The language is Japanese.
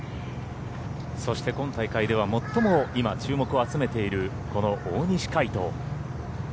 そして、今大会では今最も注目を集めているこの大西魁斗。